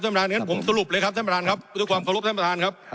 ท่านผมสรุปเลยครับท่านประธานครับด้วยความเคารพท่านประธานครับ